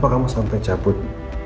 kenapa kamu sampai cabut